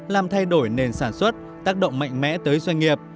làm thay đổi nền sản xuất tác động mạnh mẽ tới doanh nghiệp